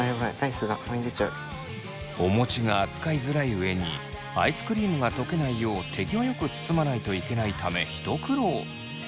お餅が扱いづらい上にアイスクリームがとけないよう手際よく包まないといけないため一苦労。